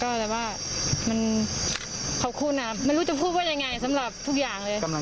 กำลังใจของลูก๒คนคนนึงอย่างไรบ้างคะ